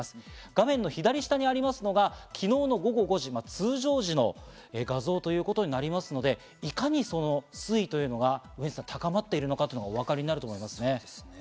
画面左下にありますのが昨日の午後５時、通常時の画像ということになりますので、いかに水位が高まっているのか、お分かりになると思います。